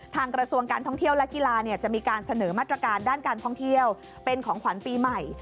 กระทรวงการท่องเที่ยวและกีฬาจะมีการเสนอมาตรการด้านการท่องเที่ยวเป็นของขวัญปีใหม่